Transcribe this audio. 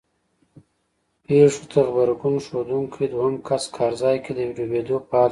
پېښو ته غبرګون ښودونکی دویم کس کار ځای کې د ډوبېدو په حال وي.